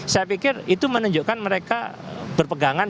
saya pikir itu menunjukkan mereka berpegangan